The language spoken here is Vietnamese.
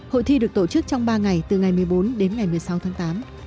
hội thi được tổ chức trong ba ngày từ ngày một mươi bốn đến ngày một mươi sáu tháng tám